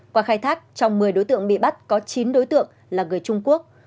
qua khai thác trong một mươi đối tượng bị bắt có chín đối tượng là người trung quốc